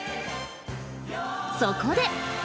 そこで。